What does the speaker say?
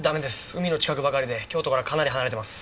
海の近くばかりで京都からはかなり離れてます。